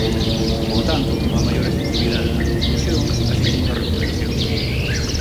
Polo tanto, unha maior efectividade das conclusións, así como das recomendacións.